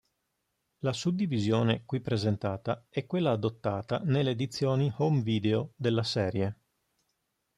La suddivisione qui presentata è quella adottata nelle edizioni home video della serie.